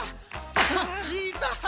いたい！